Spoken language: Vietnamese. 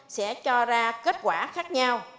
sẽ cho ra kết quả khác nhau